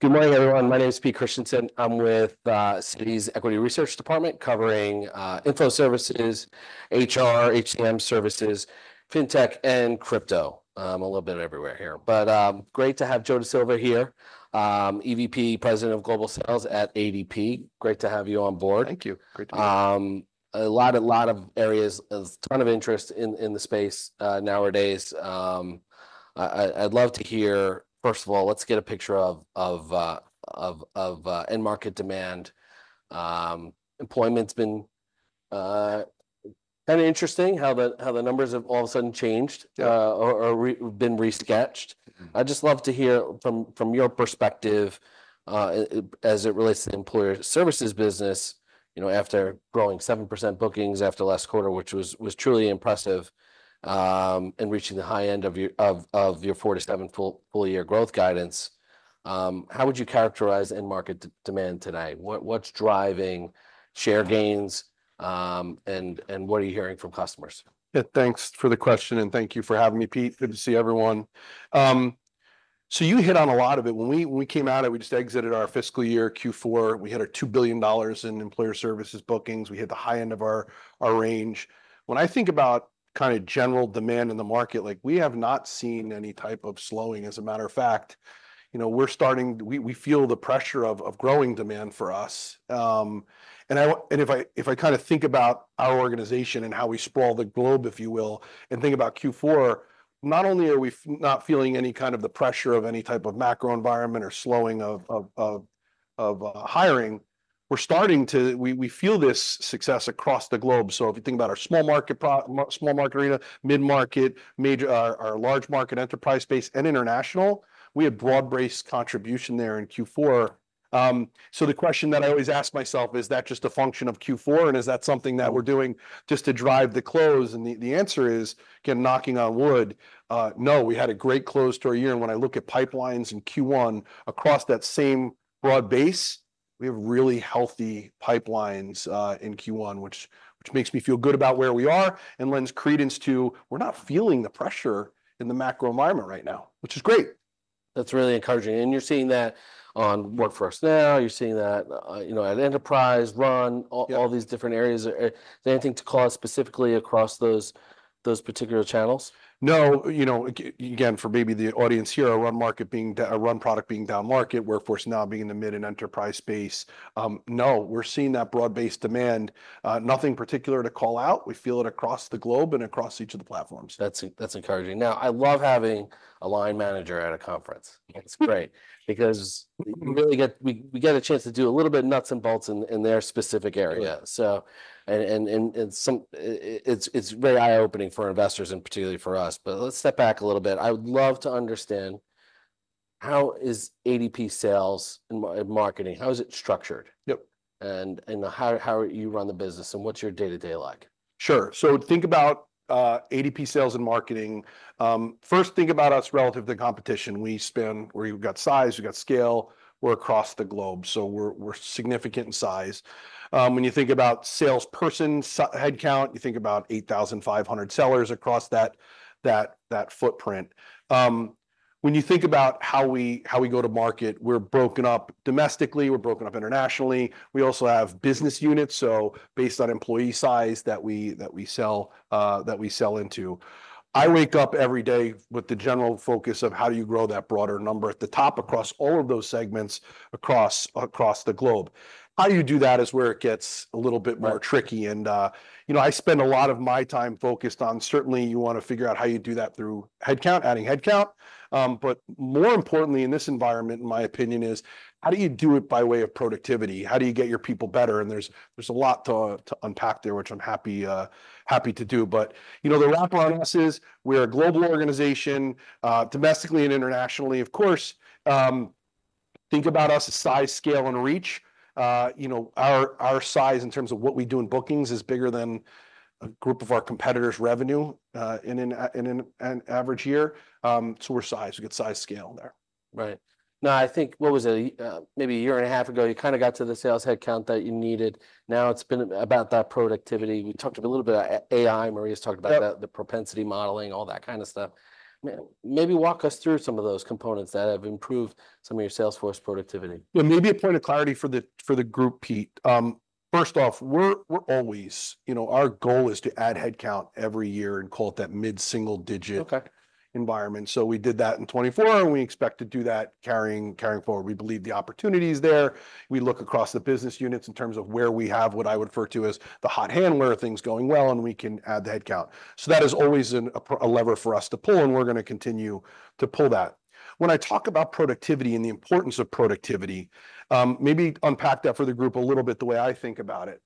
Good morning, everyone. My name is Pete Christiansen. I'm with Citigroup's Equity Research Department, covering info services, HR, HCM services, fintech, and crypto. A little bit everywhere here, but great to have Joe DeSilva here, EVP, President of Global Sales at ADP. Great to have you on board. Thank you. Great to be here. A lot, a lot of areas, a ton of interest in the space nowadays. I'd love to hear. First of all, let's get a picture of end market demand. Employment's been kind of interesting, how the numbers have all of a sudden changed. Yeah... or been researched. Mm-hmm. I'd just love to hear from your perspective, as it relates to the Employer Services business, you know, after growing 7% bookings after last quarter, which was truly impressive, and reaching the high end of your 4%-7% full-year growth guidance, how would you characterize end market demand today? What's driving share gains, and what are you hearing from customers? Yeah, thanks for the question, and thank you for having me, Pete. Good to see everyone. So you hit on a lot of it. When we came out, and we just exited our fiscal year, Q4, we had $2 billion in employer services bookings. We hit the high end of our range. When I think about kind of general demand in the market, like, we have not seen any type of slowing. As a matter of fact, you know, we feel the pressure of growing demand for us. If I kind of think about our organization and how we sprawl the globe, if you will, and think about Q4, not only are we not feeling any kind of the pressure of any type of macro environment or slowing of hiring, we're starting to feel this success across the globe. So if you think about our small market arena, mid-market, major, our large market enterprise space, and international, we had broad-based contribution there in Q4, so the question that I always ask myself: Is that just a function of Q4, and is that something that we're doing just to drive the close? And the answer is, again, knocking on wood, no, we had a great close to our year, and when I look at pipelines in Q1, across that same broad base, we have really healthy pipelines in Q1, which makes me feel good about where we are and lends credence to, we're not feeling the pressure in the macro environment right now, which is great! That's really encouraging, and you're seeing that on Workforce Now. You're seeing that, you know, at Enterprise, RUN- Yeah... all these different areas. Is there anything to call out specifically across those particular channels? No. You know, again, for maybe the audience here, our RUN product being downmarket, Workforce Now being the mid and enterprise space, no, we're seeing that broad-based demand. Nothing particular to call out. We feel it across the globe and across each of the platforms. That's encouraging. Now, I love having a line manager at a conference. It's great because we really get a chance to do a little bit of nuts and bolts in their specific area. Yeah. It's very eye-opening for investors and particularly for us. But let's step back a little bit. I would love to understand: How is ADP sales and marketing, how is it structured? Yep. And how you run the business, and what's your day-to-day like? Sure. So think about ADP sales and marketing. First, think about us relative to the competition. We span. We've got size, we've got scale. We're across the globe, so we're significant in size. When you think about salespersons headcount, you think about 8,500 sellers across that footprint. When you think about how we go to market, we're broken up domestically, we're broken up internationally. We also have business units, so based on employee size that we sell into. I wake up every day with the general focus of: How do you grow that broader number at the top across all of those segments, across the globe? How you do that is where it gets a little bit more- Right... tricky, and, you know, I spend a lot of my time focused on, certainly, you want to figure out how you do that through headcount, adding headcount, but more importantly in this environment, in my opinion, is: How do you do it by way of productivity? How do you get your people better? And there's a lot to unpack there, which I'm happy to do. But, you know, the rap on us is, we're a global organization, domestically and internationally, of course. Think about us as size, scale, and reach. You know, our size in terms of what we do in bookings is bigger than a group of our competitors' revenue in an average year. So we're sized. We've got size, scale there. Right. Now, I think, what was it? Maybe a year and a half ago, you kind of got to the sales headcount that you needed. Now, it's been about that productivity. We talked a little bit about AI. Maria's talked about that. Yep... the propensity modeling, all that kind of stuff. Maybe walk us through some of those components that have improved some of your sales force productivity. Yeah, maybe a point of clarity for the group, Pete. First off, we're always... You know, our goal is to add headcount every year and call it that mid-single-digit- Okay... environment. So we did that in 2024, and we expect to do that carrying forward. We believe the opportunity is there. We look across the business units in terms of where we have what I would refer to as the hot handler, things going well, and we can add the headcount. So that is always a lever for us to pull, and we're gonna continue to pull that. When I talk about productivity and the importance of productivity, maybe unpack that for the group a little bit, the way I think about it.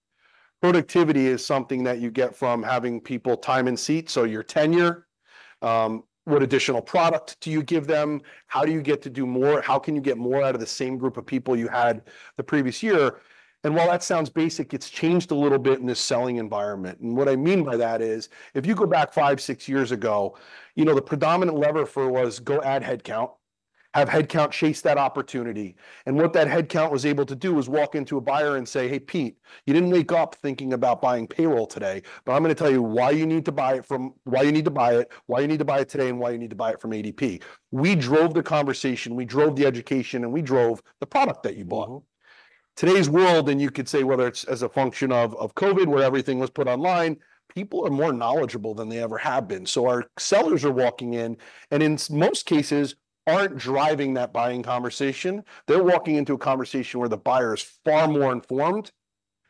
Productivity is something that you get from having people time in seat, so your tenure. What additional product do you give them? How do you get to do more? How can you get more out of the same group of people you had the previous year? While that sounds basic, it's changed a little bit in this selling environment, and what I mean by that is, if you go back five, six years ago, you know, the predominant lever for it was, go add headcount.... have headcount chase that opportunity. And what that headcount was able to do was walk into a buyer and say, "Hey, Pete, you didn't wake up thinking about buying payroll today, but I'm gonna tell you why you need to buy it from- why you need to buy it, why you need to buy it today, and why you need to buy it from ADP." We drove the conversation, we drove the education, and we drove the product that you bought. Mm-hmm. Today's world, and you could say whether it's as a function of, of COVID, where everything was put online, people are more knowledgeable than they ever have been. So our sellers are walking in, and in most cases, aren't driving that buying conversation. They're walking into a conversation where the buyer is far more informed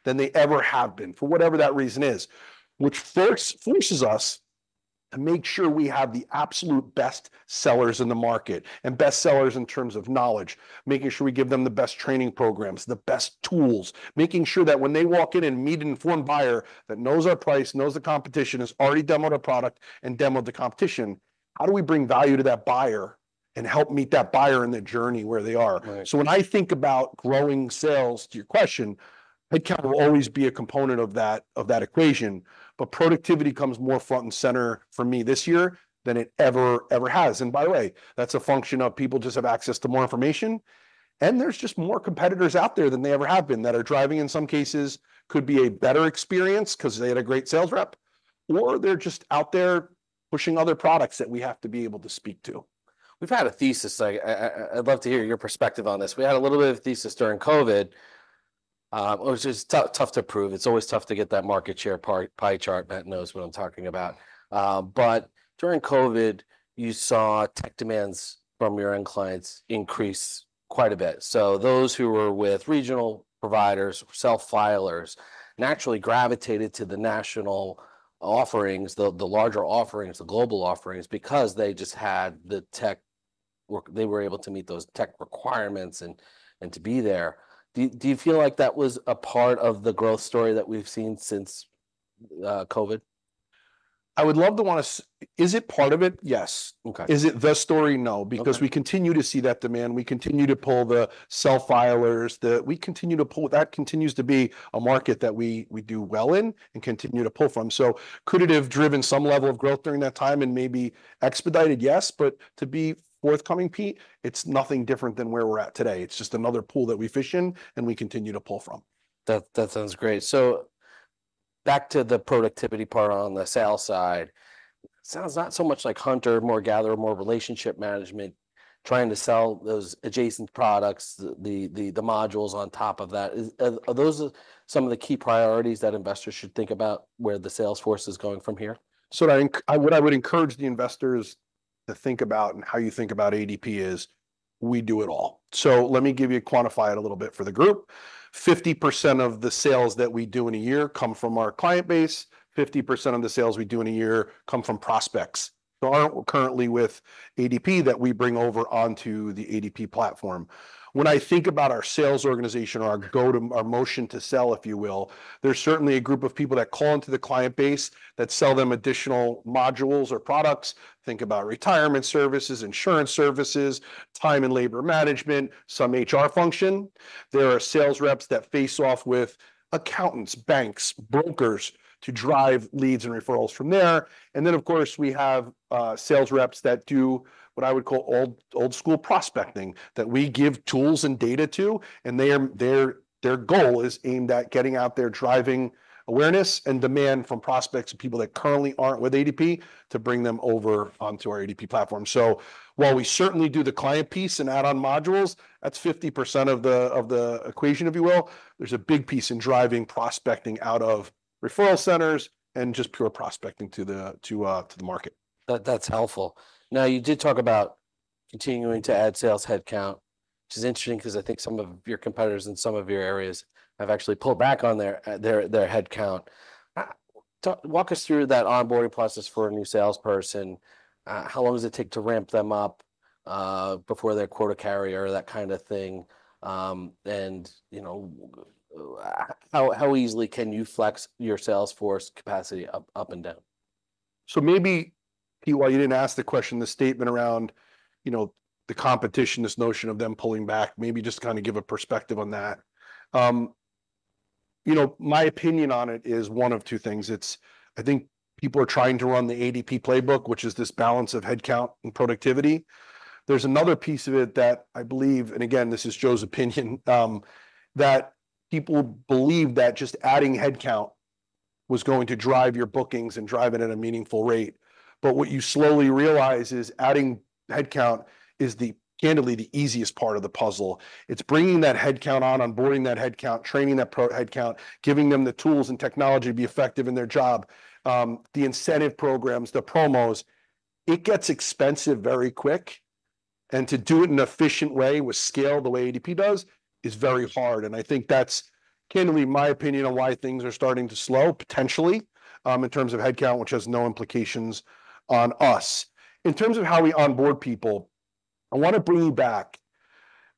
than they ever have been, for whatever that reason is, which forces us to make sure we have the absolute best sellers in the market, and best sellers in terms of knowledge. Making sure we give them the best training programs, the best tools, making sure that when they walk in and meet an informed buyer that knows our price, knows the competition, has already demoed our product and demoed the competition, how do we bring value to that buyer and help meet that buyer in their journey where they are? Right. When I think about growing sales, to your question, headcount will always be a component of that, of that equation, but productivity comes more front and center for me this year than it ever, ever has. By the way, that's a function of people just have access to more information, and there's just more competitors out there than there ever have been, that are driving, in some cases, could be a better experience, 'cause they had a great sales rep, or they're just out there pushing other products that we have to be able to speak to. We've had a thesis, like, I'd love to hear your perspective on this. We had a little bit of a thesis during COVID. It was just tough to prove. It's always tough to get that market share pie chart. Matt knows what I'm talking about. But during COVID, you saw tech demands from your end clients increase quite a bit, so those who were with regional providers, self-filers, naturally gravitated to the national offerings, the larger offerings, the global offerings, because they just had the tech requirements they were able to meet those tech requirements and to be there. Do you feel like that was a part of the growth story that we've seen since COVID? I would love to want to. Is it part of it? Yes. Okay. Is it the story? No. Okay. Because we continue to see that demand, we continue to pull the self-filers. That continues to be a market that we do well in and continue to pull from, so could it have driven some level of growth during that time and maybe expedited? Yes, but to be forthcoming, Pete, it's nothing different than where we're at today. It's just another pool that we fish in and we continue to pull from. That sounds great. So back to the productivity part on the sales side, sounds not so much like hunter, more gatherer, more relationship management, trying to sell those adjacent products, the modules on top of that. Are those some of the key priorities that investors should think about where the sales force is going from here? So what I would encourage the investors to think about, and how you think about ADP is, we do it all. So let me give you, quantify it a little bit for the group. 50% of the sales that we do in a year come from our client base, 50% of the sales we do in a year come from prospects, who aren't currently with ADP, that we bring over onto the ADP platform. When I think about our sales organization or our go-to-market motion to sell, if you will, there's certainly a group of people that call into the client base, that sell them additional modules or products. Think about retirement services, insurance services, time and labor management, some HR function. There are sales reps that face off with accountants, banks, brokers, to drive leads and referrals from there. And then, of course, we have sales reps that do what I would call old-school prospecting that we give tools and data to, and their goal is aimed at getting out there, driving awareness and demand from prospects and people that currently aren't with ADP, to bring them over onto our ADP platform. So while we certainly do the client piece and add-on modules, that's 50% of the equation, if you will. There's a big piece in driving prospecting out of referral centers and just pure prospecting to the market. That, that's helpful. Now, you did talk about continuing to add sales headcount, which is interesting, 'cause I think some of your competitors in some of your areas have actually pulled back on their headcount. Walk us through that onboarding process for a new salesperson. How long does it take to ramp them up before they're quota carrier, that kind of thing? And, you know, how easily can you flex your sales force capacity up and down? So maybe, Pete, while you didn't ask the question, the statement around, you know, the competition, this notion of them pulling back, maybe just kind of give a perspective on that. You know, my opinion on it is one of two things: it's, I think people are trying to run the ADP playbook, which is this balance of headcount and productivity. There's another piece of it that I believe, and again, this is Joe's opinion, that people believe that just adding headcount was going to drive your bookings and drive it at a meaningful rate. But what you slowly realize is, adding headcount is the, candidly, the easiest part of the puzzle. It's bringing that headcount on, onboarding that headcount, training that headcount, giving them the tools and technology to be effective in their job, the incentive programs, the promos, it gets expensive very quick, and to do it in an efficient way with scale, the way ADP does, is very hard. I think that's candidly my opinion on why things are starting to slow, potentially, in terms of headcount, which has no implications on us. In terms of how we onboard people, I wanna bring you back.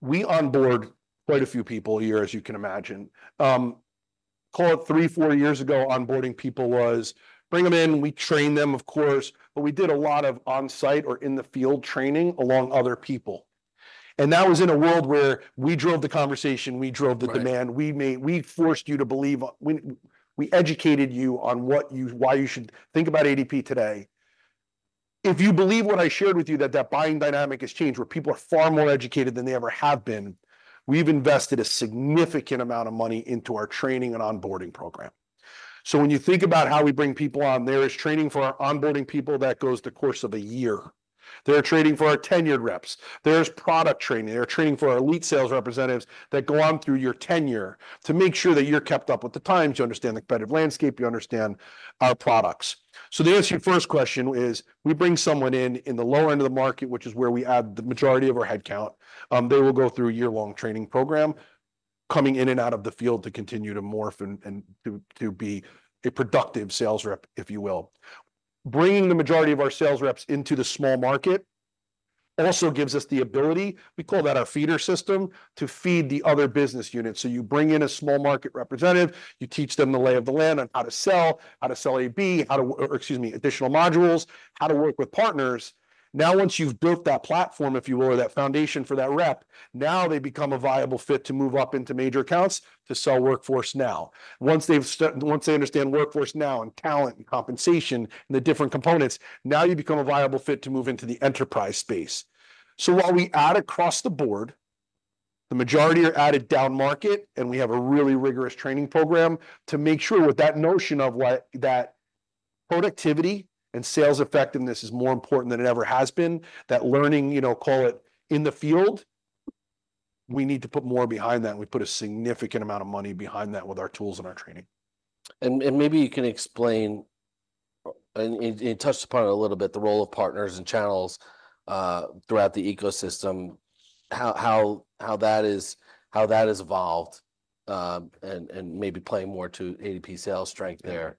We onboard quite a few people a year, as you can imagine. Call it three, four years ago, onboarding people was, bring them in, we train them, of course, but we did a lot of on-site or in-the-field training along other people. That was in a world where we drove the conversation, we drove the demand- Right... we educated you on why you should think about ADP today. If you believe what I shared with you, that the buying dynamic has changed, where people are far more educated than they ever have been, we've invested a significant amount of money into our training and onboarding program. So when you think about how we bring people on, there is training for our onboarding people that goes the course of a year. There are training for our tenured reps. There's product training. There are training for our elite sales representatives that go on through your tenure to make sure that you're kept up with the times, you understand the competitive landscape, you understand our products. So the answer to your first question is, we bring someone in in the lower end of the market, which is where we add the majority of our headcount. They will go through a year-long training program, coming in and out of the field to continue to morph and to be a productive sales rep, if you will. Bringing the majority of our sales reps into the small market also gives us the ability, we call that our feeder system, to feed the other business units. So you bring in a small market representative, you teach them the lay of the land on how to sell, how to sell ADP, or excuse me, additional modules, how to work with partners. Now, once you've built that platform, if you will, or that foundation for that rep, now they become a viable fit to move up into major accounts to sell Workforce Now. Once they've once they understand Workforce Now and talent and compensation and the different components, now you become a viable fit to move into the enterprise space. So while we add across the board, the majority are added downmarket, and we have a really rigorous training program to make sure with that notion of what that productivity and sales effectiveness is more important than it ever has been, that learning, you know, call it, in the field, we need to put more behind that, and we put a significant amount of money behind that with our tools and our training. Maybe you can explain, and you touched upon it a little bit, the role of partners and channels throughout the ecosystem, how that has evolved, and maybe play more to ADP sales strength there.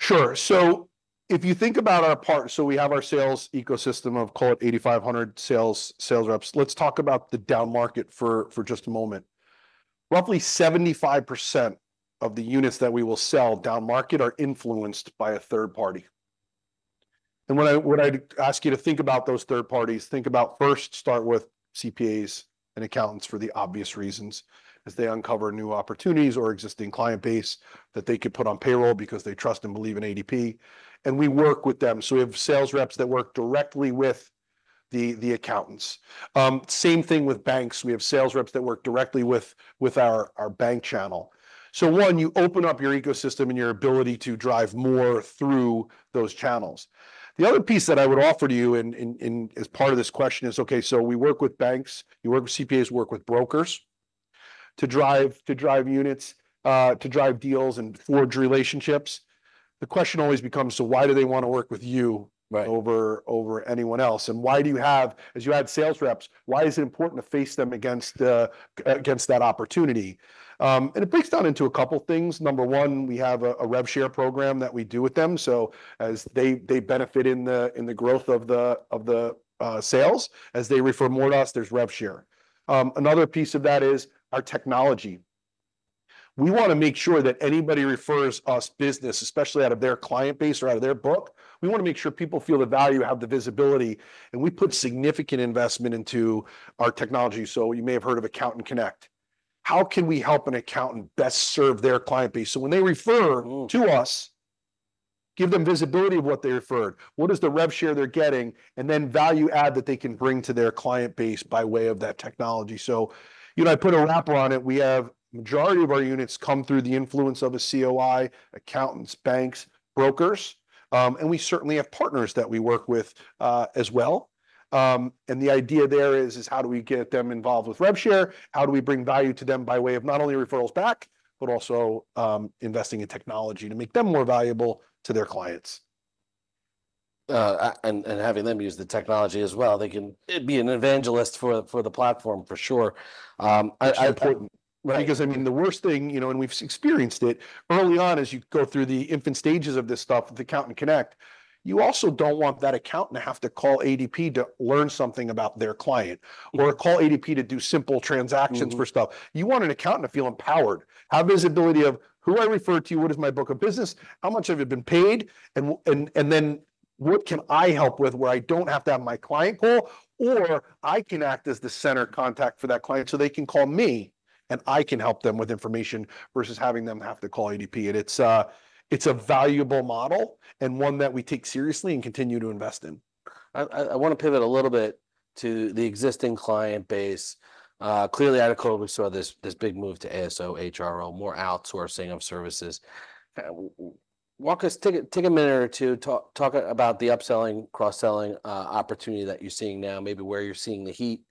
Sure. So if you think about our part, so we have our sales ecosystem of, call it, 8,500 sales reps. Let's talk about the downmarket for just a moment. Roughly 75% of the units that we will sell downmarket are influenced by a third party. And when I ask you to think about those third parties, think about first, start with CPAs and accountants for the obvious reasons, as they uncover new opportunities or existing client base that they could put on payroll because they trust and believe in ADP, and we work with them. So we have sales reps that work directly with the accountants. Same thing with banks. We have sales reps that work directly with our bank channel. So one, you open up your ecosystem and your ability to drive more through those channels. The other piece that I would offer to you in as part of this question is, okay, so we work with banks, you work with CPAs, work with brokers, to drive units, to drive deals and forge relationships. The question always becomes: So why do they want to work with you- Right... over anyone else? And why do you have, as you add sales reps, why is it important to face them against that opportunity? And it breaks down into a couple things. Number one, we have a rev share program that we do with them, so as they benefit in the growth of the sales, as they refer more to us, there's rev share. Another piece of that is our technology. We want to make sure that anybody refers us business, especially out of their client base or out of their book, we want to make sure people feel the value, have the visibility, and we put significant investment into our technology. So you may have heard of Accountant Connect. How can we help an accountant best serve their client base? So when they refer- Mm... to us, give them visibility of what they referred, what is the rev share they're getting, and then value add that they can bring to their client base by way of that technology. So, you know, I put a wrapper on it. We have... Majority of our units come through the influence of a COI, accountants, banks, brokers, and we certainly have partners that we work with, as well, and the idea there is how do we get them involved with rev share? How do we bring value to them by way of not only referrals back, but also, investing in technology to make them more valuable to their clients? Having them use the technology as well. They can be an evangelist for the platform, for sure. Sure. Right? Because, I mean, the worst thing, you know, and we've experienced it, early on, as you go through the infant stages of this stuff, with Accountant Connect, you also don't want that accountant to have to call ADP to learn something about their client- Mm... or call ADP to do simple transactions for stuff. Mm-hmm. You want an accountant to feel empowered, have visibility of who I referred to you, what is my book of business, how much have you been paid, and then what can I help with, where I don't have to have my client call. Or I can act as the central contact for that client, so they can call me, and I can help them with information, versus having them have to call ADP. And it's a valuable model and one that we take seriously and continue to invest in. I want to pivot a little bit to the existing client base. Clearly, actually, we saw this big move to ASO, HRO, more outsourcing of services. Take a minute or two, talk about the upselling, cross-selling opportunity that you're seeing now, maybe where you're seeing the heat,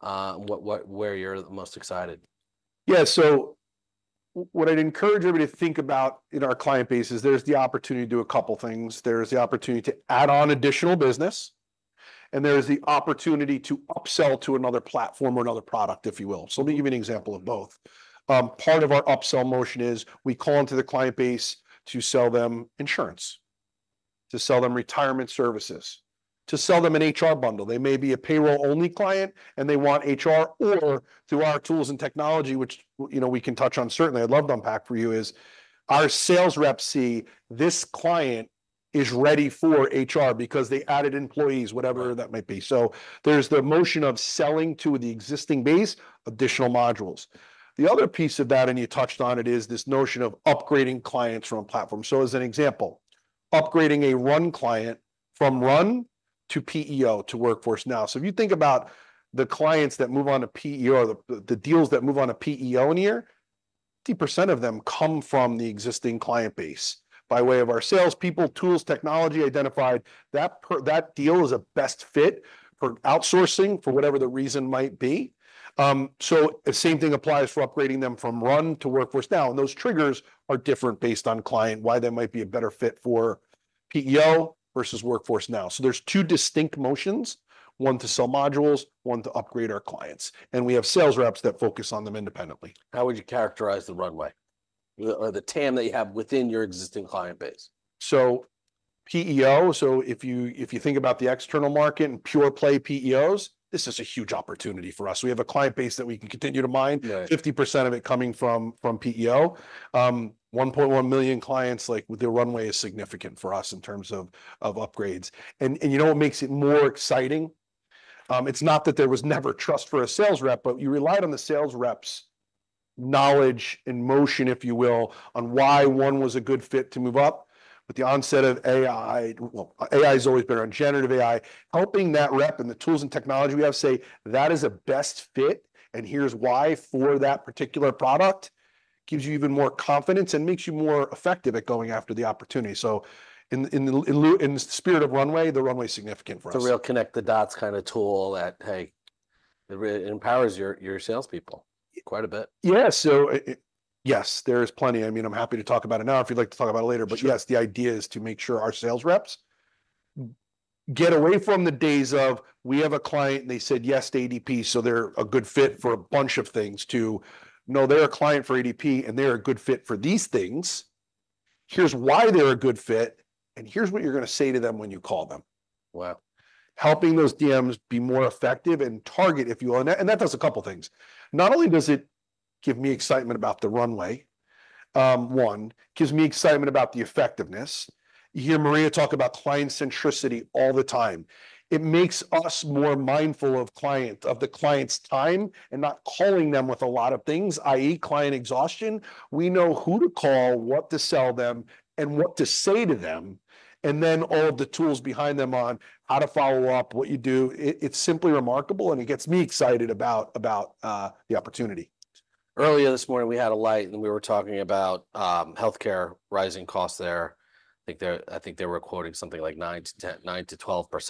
and what, where you're the most excited. Yeah, so what I'd encourage everybody to think about in our client base is there's the opportunity to do a couple things. There's the opportunity to add on additional business, and there is the opportunity to upsell to another platform or another product, if you will. So let me give you an example of both. Part of our upsell motion is, we call into the client base to sell them insurance, to sell them retirement services, to sell them an HR bundle. They may be a payroll-only client, and they want HR, or through our tools and technology, which, you know, we can touch on certainly, I'd love to unpack for you, is our sales reps see this client is ready for HR because they added employees, whatever- Right That might be. So there's the motion of selling to the existing base, additional modules. The other piece of that, and you touched on it, is this notion of upgrading clients from a platform. So as an example, upgrading a Run client from Run to PEO to Workforce Now. So if you think about the clients that move on to PEO, the deals that move on to PEO in a year, 50% of them come from the existing client base by way of our salespeople, tools, technology, identified. That deal is a best fit for outsourcing, for whatever the reason might be. So the same thing applies for upgrading them from Run to Workforce Now, and those triggers are different based on client, why they might be a better fit for PEO versus Workforce Now. So there's two distinct motions: one to sell modules, one to upgrade our clients, and we have sales reps that focus on them independently. How would you characterize the runway, or, or the TAM that you have within your existing client base? PEO, so if you think about the external market and pure-play PEOs, this is a huge opportunity for us. We have a client base that we can continue to mine- Yeah... 50% of it coming from PEO. 1.1 million clients, like, their runway is significant for us in terms of upgrades. And you know what makes it more exciting? It's not that there was never trust for a sales rep, but you relied on the sales rep's knowledge and motion, if you will, on why one was a good fit to move up. With the onset of AI, well, AI has always been around, generative AI, helping that rep and the tools and technology we have say, "That is a best fit, and here's why for that particular product." It gives you even more confidence and makes you more effective at going after the opportunity. So in the spirit of runway, the runway's significant for us. The real connect-the-dots kind of tool that, hey, it empowers your salespeople quite a bit. Yeah. So it... Yes, there is plenty. I mean, I'm happy to talk about it now if you'd like to talk about it later. Sure. But yes, the idea is to make sure our sales reps get away from the days of, "We have a client, and they said yes to ADP, so they're a good fit for a bunch of things," to, "No, they're a client for ADP, and they're a good fit for these things. Here's why they're a good fit, and here's what you're going to say to them when you call them. Wow! Helping those DMs be more effective and target, if you will. And that does a couple things. Not only does it give me excitement about the runway, one, it gives me excitement about the effectiveness. You hear Maria talk about client centricity all the time. It makes us more mindful of the client's time and not calling them with a lot of things, i.e., client exhaustion. We know who to call, what to sell them, and what to say to them, and then all of the tools behind them on how to follow up, what you do. It's simply remarkable, and it gets me excited about the opportunity. Earlier this morning, we had a light, and we were talking about healthcare, rising costs there. I think they were quoting something like 9%-12% for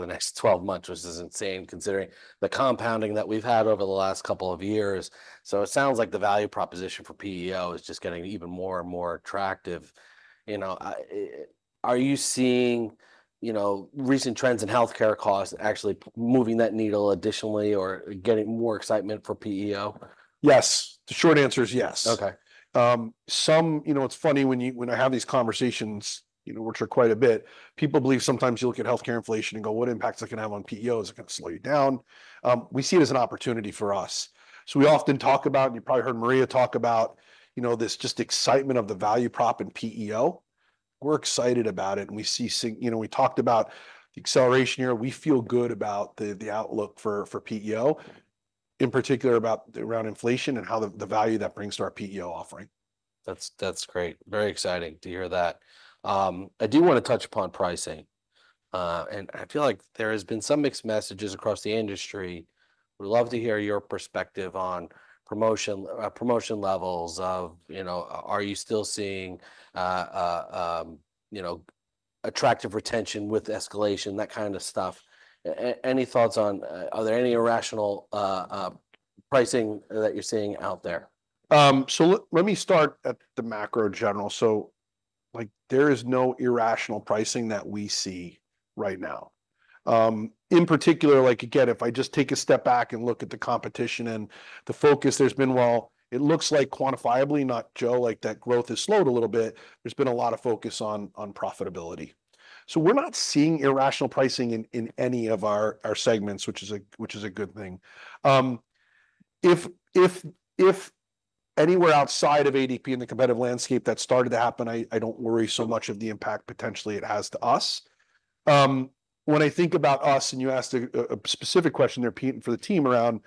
the next twelve months, which is insane considering the compounding that we've had over the last couple of years. So it sounds like the value proposition for PEO is just getting even more and more attractive. You know, are you seeing, you know, recent trends in healthcare costs actually moving that needle additionally or getting more excitement for PEO? Yes. The short answer is yes. Okay. You know, it's funny, when I have these conversations, you know, which are quite a bit, people believe sometimes you look at healthcare inflation and go, "What impact is it going to have on PEOs? Is it going to slow you down?" We see it as an opportunity for us. So we often talk about, and you probably heard Maria talk about, you know, this just excitement of the value prop in PEO. We're excited about it, and we see significant, you know, we talked about the acceleration year. We feel good about the outlook for PEO, in particular about around inflation and how the value that brings to our PEO offering. That's, that's great. Very exciting to hear that. I do want to touch upon pricing, and I feel like there has been some mixed messages across the industry. Would love to hear your perspective on promotion, promotion levels of, you know, are you still seeing, you know, attractive retention with escalation, that kind of stuff? Any thoughts on... Are there any irrational, pricing, that you're seeing out there? So let me start at the macro general. Like, there is no irrational pricing that we see right now. In particular, like, again, if I just take a step back and look at the competition and the focus, there's been, well, it looks like quantifiably, not Joe, like, that growth has slowed a little bit. There's been a lot of focus on profitability. So we're not seeing irrational pricing in any of our segments, which is a good thing. If anywhere outside of ADP in the competitive landscape that started to happen, I don't worry so much of the impact potentially it has to us. When I think about us, and you asked a specific question there, Pete, and for the team around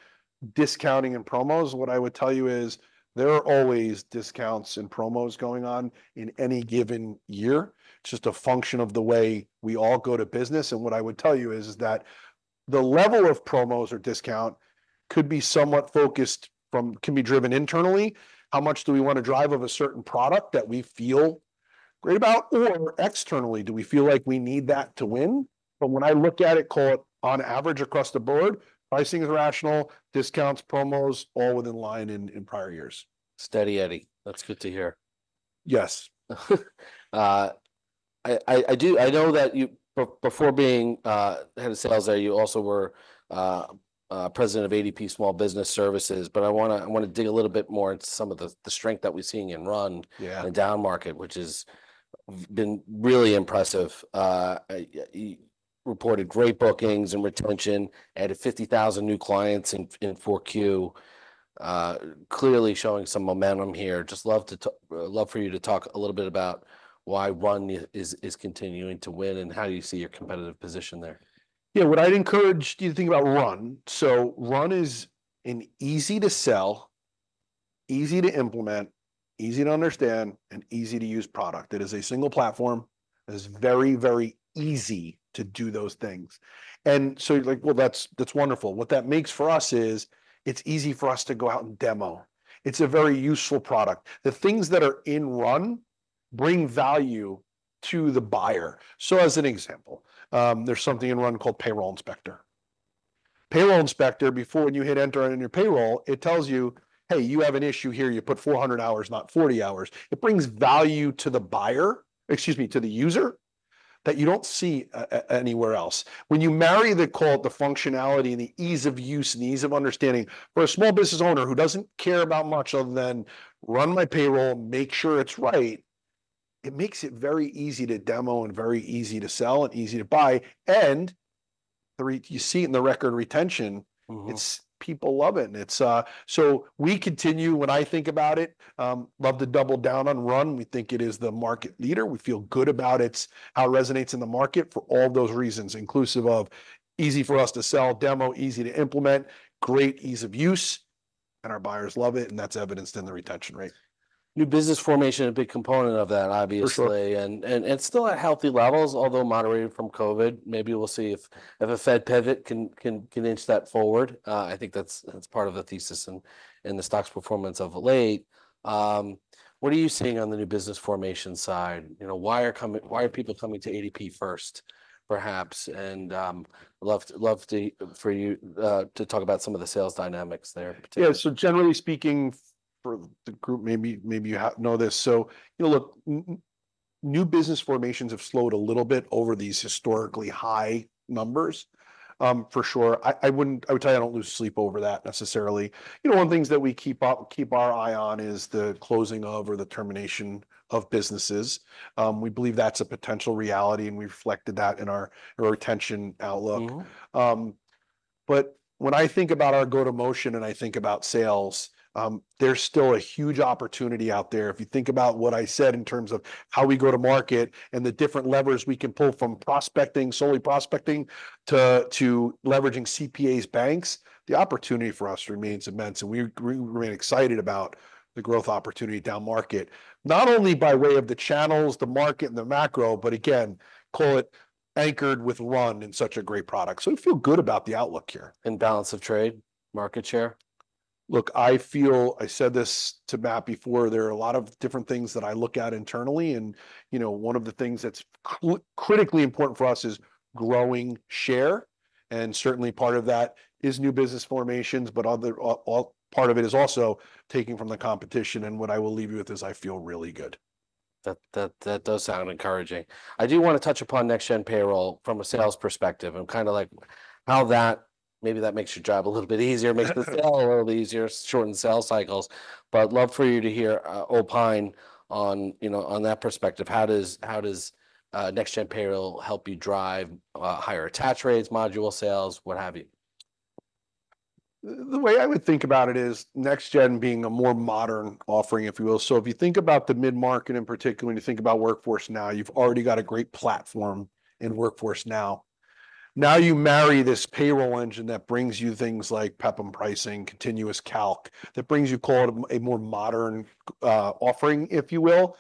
discounting and promos, what I would tell you is there are always discounts and promos going on in any given year. It's just a function of the way we all do business, and what I would tell you is that the level of promos or discount could be somewhat focused, can be driven internally. How much do we want to drive of a certain product that we feel great about? Or externally, do we feel like we need that to win? But when I look at it, call it, on average, across the board, pricing is rational, discounts, promos, all in line in prior years. Steady Eddie. That's good to hear. Yes. I know that you, before being president of ADP Small Business Services, but I want to dig a little bit more into some of the strength that we're seeing in Run- Yeah... in a down market, which has been really impressive. Reported great bookings and retention, added 50,000 new clients in 4Q, clearly showing some momentum here. Just love for you to talk a little bit about why RUN is continuing to win, and how you see your competitive position there. Yeah, what I'd encourage you to think about RUN: so RUN is an easy-to-sell, easy-to-implement, easy-to-understand, and easy-to-use product. It is a single platform. It is very, very easy to do those things. And so you're like, "Well, that's wonderful." What that makes for us is, it's easy for us to go out and demo. It's a very useful product. The things that are in RUN bring value to the buyer. So as an example, there's something in RUN called Payroll Inspector. Payroll Inspector, before when you hit enter in your payroll, it tells you, "Hey, you have an issue here. You put four hundred hours, not forty hours." It brings value to the buyer, excuse me, to the user, that you don't see anywhere else. When you marry the, call it the functionality and the ease of use and ease of understanding, for a small business owner who doesn't care about much other than, "Run my payroll, make sure it's right," it makes it very easy to demo and very easy to sell and easy to buy. And the re-- you see it in the record retention- Mm-hmm... people love it, and it's. So we continue, when I think about it, love to double down on RUN. We think it is the market leader. We feel good about its how it resonates in the market for all those reasons, inclusive of easy for us to sell, demo, easy to implement, great ease of use, and our buyers love it, and that's evidenced in the retention rate. New business formation, a big component of that, obviously. For sure. It's still at healthy levels, although moderated from COVID. Maybe we'll see if a Fed pivot can inch that forward. I think that's part of the thesis in the stock's performance of late. What are you seeing on the new business formation side? You know, why are people coming to ADP first, perhaps? Love to for you to talk about some of the sales dynamics there particularly. Yeah, so generally speaking, for the group, maybe you know this, so you know, look, new business formations have slowed a little bit over these historically high numbers. For sure, I would tell you I don't lose sleep over that necessarily. You know, one of the things that we keep our eye on is the closing of or the termination of businesses. We believe that's a potential reality, and we reflected that in our retention outlook. Mm-hmm. But when I think about our go-to-motion and I think about sales, there's still a huge opportunity out there. If you think about what I said in terms of how we go to market and the different levers we can pull, from prospecting, solely prospecting, to leveraging CPAs, banks, the opportunity for us remains immense, and we remain excited about the growth opportunity downmarket. Not only by way of the channels, the market, and the macro, but again, call it anchored with RUN in such a great product. So we feel good about the outlook here. Balance of trade, market share? Look, I feel... I said this to Matt before, there are a lot of different things that I look at internally and, you know, one of the things that's critically important for us is growing share, and certainly part of that is new business formations, but other, all part of it is also taking from the competition. And what I will leave you with is I feel really good. That does sound encouraging. I do want to touch upon Next Gen Payroll from a sales perspective- Yeah... and kind of, like, how that makes the sale a little easier, shorten sales cycles. But I'd love to hear you opine on, you know, on that perspective. How does Next Gen Payroll help you drive higher attach rates, module sales, what have you? The way I would think about it is Next Gen being a more modern offering, if you will. So if you think about the mid-market in particular, when you think about Workforce Now, you've already got a great platform in Workforce Now. Now you marry this payroll engine that brings you things like PEPDM pricing, continuous calc, that brings you, call it, a more modern offering, if you will.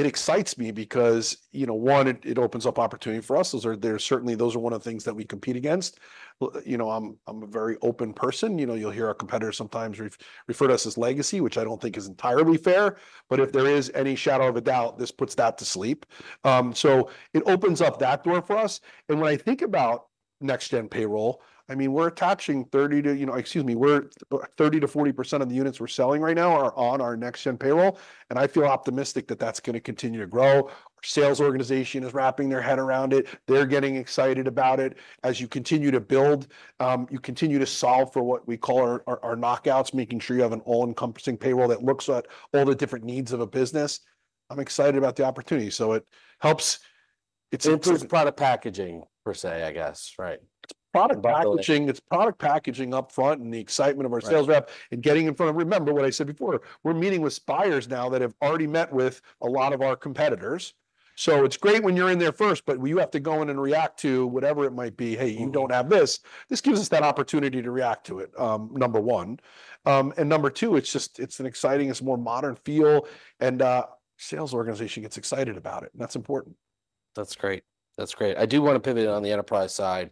It excites me because, you know, one, it opens up opportunity for us. Those are certainly one of the things that we compete against. Well, you know, I'm a very open person. You know, you'll hear our competitors sometimes refer to us as legacy, which I don't think is entirely fair. Mm-hmm. But if there is any shadow of a doubt, this puts that to sleep. So it opens up that door for us, and when I think about Next Gen Payroll, I mean, we're attaching 30-40% of the units we're selling right now are on our Next Gen Payroll, and I feel optimistic that that's going to continue to grow. Our sales organization is wrapping their head around it. They're getting excited about it. As you continue to build, you continue to solve for what we call our knockouts, making sure you have an all-encompassing payroll that looks at all the different needs of a business. I'm excited about the opportunity, so it helps, it's- It improves product packaging, per se, I guess, right? It's product packaging- And building-... it's product packaging upfront and the excitement of our- Right... sales rep and getting in front of... Remember what I said before, we're meeting with buyers now that have already met with a lot of our competitors. So it's great when you're in there first, but when you have to go in and react to whatever it might be, "Hey, you don't have this"- Mm... this gives us that opportunity to react to it, number one. And number two, it's just, it's a more modern feel, and sales organization gets excited about it, and that's important. That's great. That's great. I do want to pivot on the enterprise side,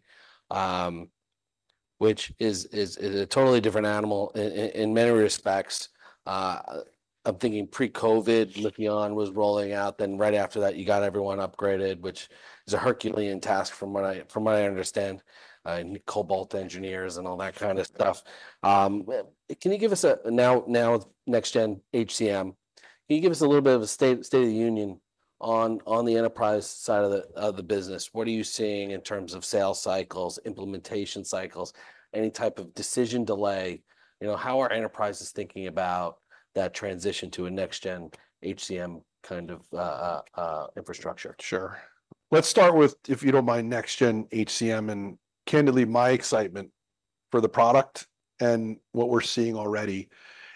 which is a totally different animal in many respects. I'm thinking pre-COVID, Lifion was rolling out, then right after that, you got everyone upgraded, which is a Herculean task from what I understand, and Cobalt engineers and all that kind of stuff. Well, can you give us now, with Next Gen HCM, can you give us a little bit of a state of the union on the enterprise side of the business? What are you seeing in terms of sales cycles, implementation cycles, any type of decision delay? You know, how are enterprises thinking about that transition to a Next Gen HCM kind of infrastructure? Sure. Let's start with, if you don't mind, Next Gen HCM, and candidly, my excitement for the product and what we're seeing already.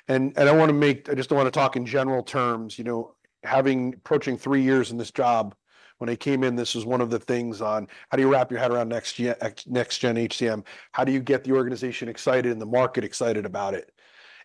And I don't wanna talk in general terms. You know, having approaching three years in this job, when I came in, this was one of the things on: How do you wrap your head around Next Gen HCM? How do you get the organization excited and the market excited about it?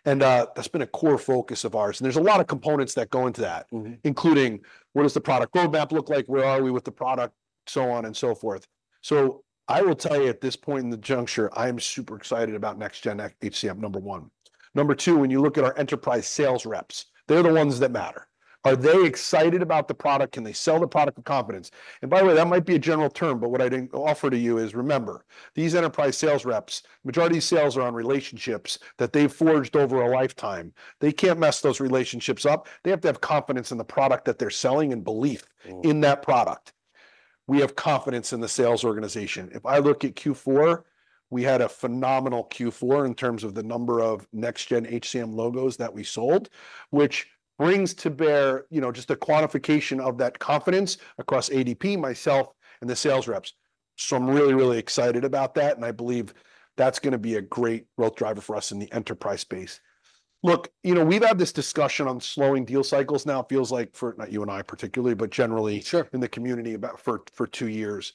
And that's been a core focus of ours, and there's a lot of components that go into that. Mm-hmm... including, what does the product roadmap look like? Where are we with the product? So on and so forth. So I will tell you, at this point in the juncture, I am super excited about Next Gen HCM, number one. Number two, when you look at our enterprise sales reps, they're the ones that matter. Are they excited about the product? Can they sell the product with confidence? And by the way, that might be a general term, but what I didn't offer to you is, remember, these enterprise sales reps, majority of these sales are on relationships that they've forged over a lifetime. They can't mess those relationships up. They have to have confidence in the product that they're selling and belief- Mm... in that product. We have confidence in the sales organization. If I look at Q4, we had a phenomenal Q4 in terms of the number of Next Gen HCM logos that we sold, which brings to bear, you know, just the quantification of that confidence across ADP, myself, and the sales reps. So I'm really, really excited about that, and I believe that's gonna be a great growth driver for us in the enterprise space. Look, you know, we've had this discussion on slowing deal cycles. Now it feels like for, not you and I particularly, but generally- Sure... in the community, about for two years.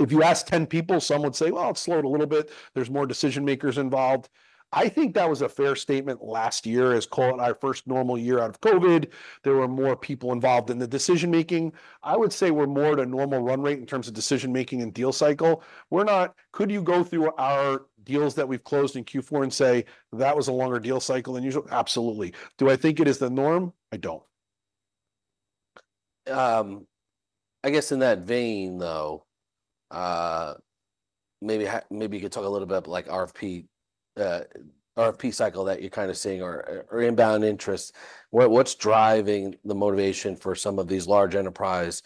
If you ask 10 people, some would say, "Well, it's slowed a little bit. There's more decision-makers involved." I think that was a fair statement last year, as calling our first normal year out of COVID. There were more people involved in the decision-making. I would say we're more at a normal run rate in terms of decision-making and deal cycle. We're not... Could you go through our deals that we've closed in Q4 and say, "That was a longer deal cycle than usual?" Absolutely. Do I think it is the norm? I don't. I guess in that vein, though, maybe you could talk a little bit about, like, RFP cycle that you're kind of seeing or inbound interest. What's driving the motivation for some of these large enterprise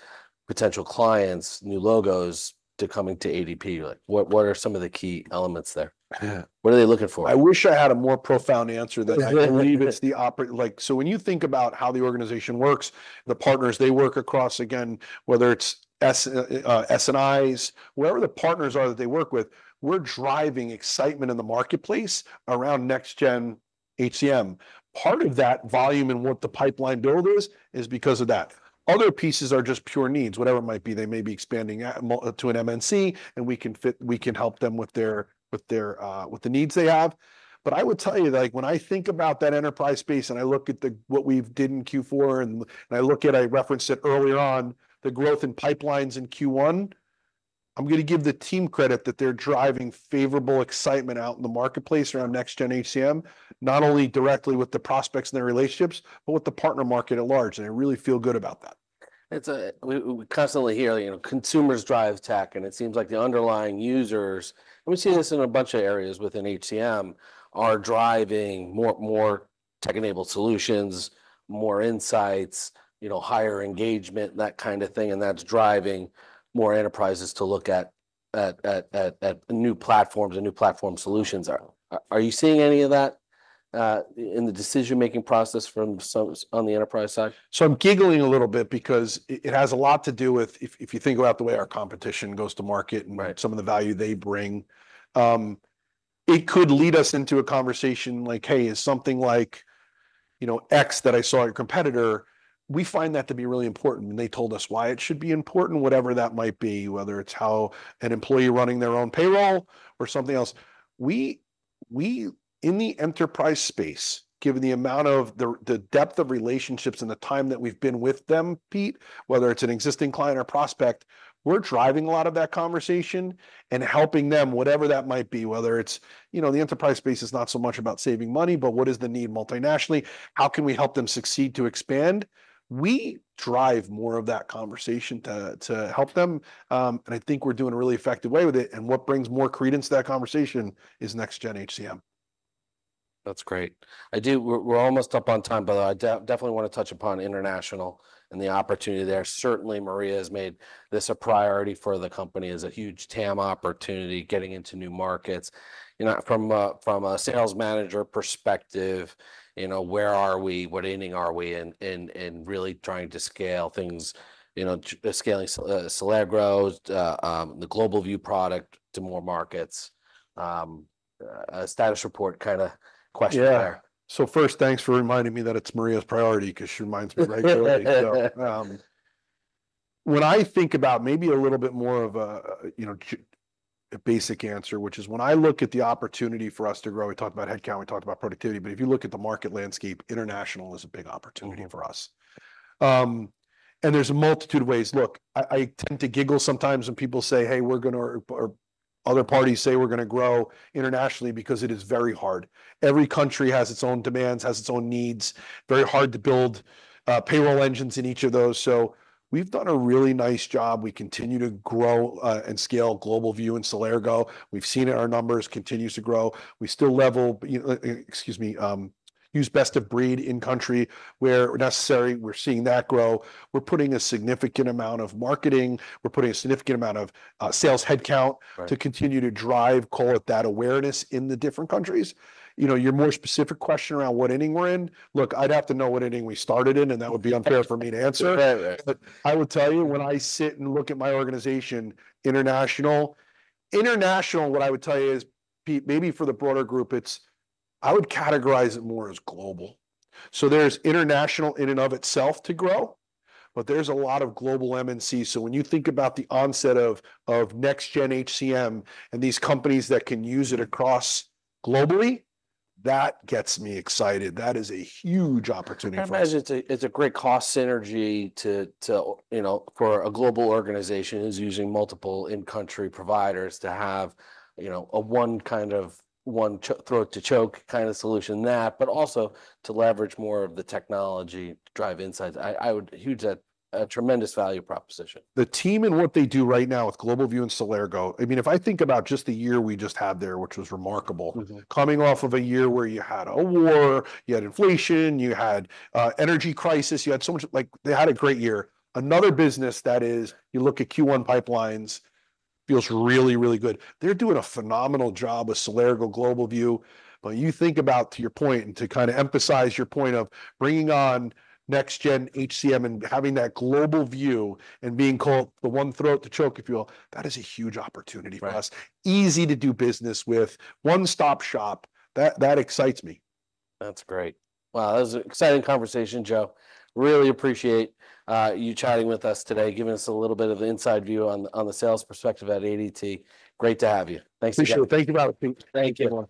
potential clients, new logos, to coming to ADP? Like, what are some of the key elements there? Yeah. What are they looking for? I wish I had a more profound answer. I believe it's the operation. Like, so when you think about how the organization works, the partners they work across, again, whether it's S, SIs, whoever the partners are that they work with, we're driving excitement in the marketplace around Next Gen HCM. Part of that volume and what the pipeline build is, is because of that. Other pieces are just pure needs, whatever it might be. They may be expanding to an MNC, and we can help them with their needs they have. But I would tell you that, like, when I think about that enterprise space, and I look at the what we've did in Q4, and I look at, I referenced it earlier on, the growth in pipelines in Q1, I'm gonna give the team credit that they're driving favorable excitement out in the marketplace around Next Gen HCM, not only directly with the prospects and their relationships, but with the partner market at large, and I really feel good about that. We constantly hear, you know, consumers drive tech, and it seems like the underlying users, and we see this in a bunch of areas within HCM, are driving more tech-enabled solutions, more insights, you know, higher engagement, that kind of thing, and that's driving more enterprises to look at new platforms and new platform solutions. Are you seeing any of that in the decision-making process from some on the enterprise side? I'm giggling a little bit because it has a lot to do with if you think about the way our competition goes to market- Right... and some of the value they bring, it could lead us into a conversation like, "Hey, is something like, you know, X that I saw in a competitor, we find that to be really important, and they told us why it should be important," whatever that might be, whether it's how an employee running their own payroll or something else. We in the enterprise space, given the amount of the depth of relationships and the time that we've been with them, Pete, whether it's an existing client or prospect, we're driving a lot of that conversation and helping them, whatever that might be. Whether it's, you know, the enterprise space is not so much about saving money, but what is the need multi-nationally? How can we help them succeed to expand? We drive more of that conversation to help them, and I think we're doing a really effective way with it, and what brings more credence to that conversation is Next Gen HCM. That's great. We're almost up on time, but I definitely want to touch upon international and the opportunity there. Certainly, Maria has made this a priority for the company. It is a huge TAM opportunity, getting into new markets. You know, from a sales manager perspective, you know, where are we? What inning are we in really trying to scale things, you know, scaling Celergo the GlobalView product to more markets? A status report kind of question there. Yeah. So first, thanks for reminding me that it's Maria's priority, 'cause she reminds me regularly. So, what I think about maybe a little bit more of a, you know, basic answer, which is when I look at the opportunity for us to grow, we talked about headcount, we talked about productivity, but if you look at the market landscape, international is a big opportunity for us. Mm. And there's a multitude of ways. Look, I tend to giggle sometimes when people say, "Hey, we're gonna..." Or other parties say, "We're gonna grow internationally," because it is very hard. Every country has its own demands, has its own needs. Very hard to build payroll engines in each of those. So we've done a really nice job. We continue to grow and scale GlobalView and Celergo. We've seen our numbers continues to grow. We still leverage best of breed in-country where necessary. We're seeing that grow. We're putting a significant amount of marketing. We're putting a significant amount of sales headcount- Right... to continue to drive, call it, that awareness in the different countries. You know, your more specific question around what inning we're in, look, I'd have to know what inning we started in, and that would be unfair for me to answer. Fair. But I will tell you, when I sit and look at my organization, international. International, what I would tell you is, Pete, maybe for the broader group, it's. I would categorize it more as global. So there's international in and of itself to grow, but there's a lot of global MNC. So when you think about the onset of Next Gen HCM and these companies that can use it across globally, that gets me excited. That is a huge opportunity for us. I imagine it's a great cost synergy to, you know, for a global organization, using multiple in-country providers to have, you know, a one throat to choke kind of solution, but also to leverage more of the technology to drive insights. I would... Huge, a tremendous value proposition. The team and what they do right now with GlobalView and Celergo, I mean, if I think about just the year we just had there, which was remarkable. Mm-hmm... coming off of a year where you had a war, you had inflation, you had energy crisis, you had so much... Like, they had a great year. Another business that is, you look at Q1 pipelines, feels really, really good. They're doing a phenomenal job with Celergo, GlobalView. When you think about, to your point, and to kind of emphasize your point of bringing on Next Gen HCM and having that global view and being called the one throat to choke, if you will, that is a huge opportunity for us. Right. Easy to do business with, one-stop shop. That excites me. That's great. Well, it was an exciting conversation, Joe. Really appreciate you chatting with us today, giving us a little bit of the inside view on the sales perspective at ADP. Great to have you. Thanks again. Appreciate it. Thank you, Pete. Thank you.